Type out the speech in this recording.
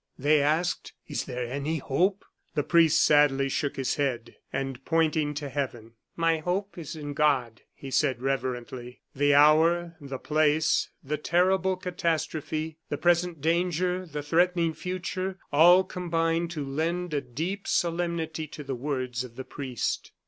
they asked. "Is there any hope?" The priest sadly shook his head, and pointing to heaven: "My hope is in God!" he said, reverently. The hour, the place, the terrible catastrophe, the present danger, the threatening future, all combined to lend a deep solemnity to the words of the priest.